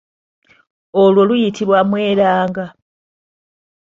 Olwo luyitibwa mweranga.